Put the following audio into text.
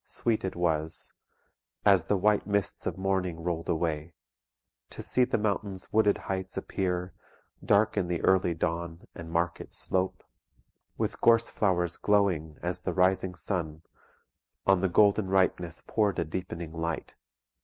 Sweet it was, As the white mists of morning roll'd away, To see the mountain's wooded heights appear Dark in the early dawn, and mark its slope With gorse flowers glowing, as the rising sun On the golden ripeness pour'd a deepening light.